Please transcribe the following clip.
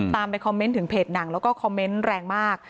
ไปคอมเมนต์ถึงเพจหนังแล้วก็คอมเมนต์แรงมาก